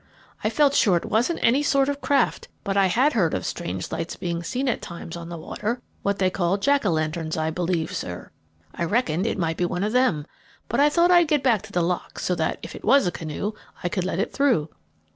I felt sure it wasn't any sort of craft, but I had heard of strange lights being seen at times on the water what they call jack o' lanterns, I believe, sir. I reckoned it might be one of them, but I thought I'd get back to the lock, so that, if it was a canoe, I could let it through.